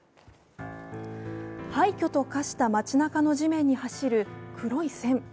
廃墟と化した街なかの地面に走る黒い線。